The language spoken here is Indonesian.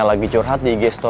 lah tapi supaya dia ngapain lu